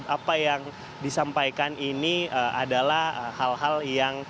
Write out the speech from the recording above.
apa yang disampaikan ini adalah hal hal yang